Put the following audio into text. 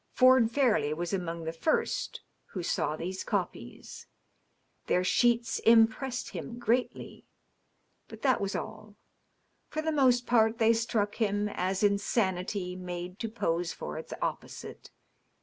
Ford Fairleigh was among the first who saw these copies. Their sheets impressed him greatly, but that was all. For the most part they struck him as insanity made to pose for its opposite.